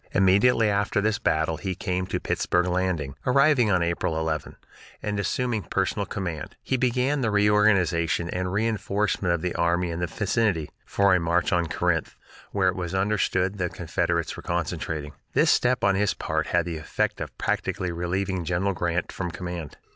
Immediately after this battle he came to Pittsburg Landing, arriving on April 11, and, assuming personal command, he began the reorganization and reinforcement of the army in the vicinity, for a march on Corinth, where it was understood the Confederates were concentrating. This step on his part had the effect of practically relieving General Grant from command.